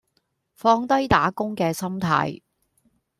放低打工嘅心態